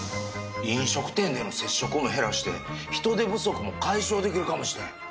飲食店での接触も減らして人手不足も解消できるかもしれん。